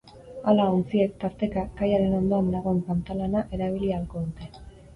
Hala, ontziek, tarteka, kaiaren ondoan dagoen pantalana erabili ahalko dute.